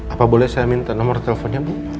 apa boleh saya minta nomor teleponnya bu